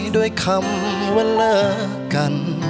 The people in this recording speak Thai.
ด้วยคำว่าเลิกกัน